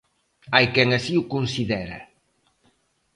Hai quen así o considera.